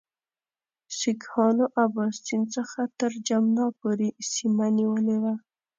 سیکهانو اباسین څخه تر جمنا پورې سیمه نیولې وه.